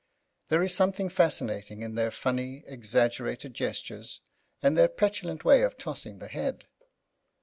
There is something fascinating in their funny, exaggerated gestures and their petulant way of tossing the head.